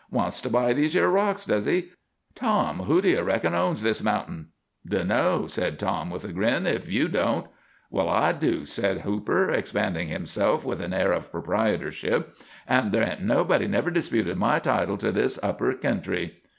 Wants to buy these yer rocks, does he? Tom, who do you reckon owns this mounting?" "Dunno," said Tom, with a grin, "if you don't." "Well, I do," said Hooper, expanding himself with an air of proprietorship, "and there hain't nobody never disputed my title to this upper kentry."